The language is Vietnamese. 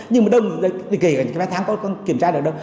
nhưng mà đông thì kể cả ba tháng có kiểm tra được đâu